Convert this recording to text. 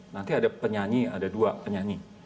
nanti ada penyanyi ada dua penyanyi